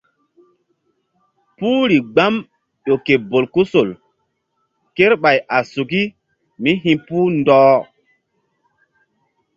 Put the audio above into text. Puhri gbam ƴo ke bolkusol kerɓay a suki mí hi̧puh ɗɔh.